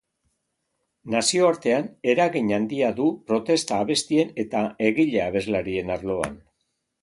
Nazioartean, eragin handia du protesta abestien eta egile abeslarien arloan.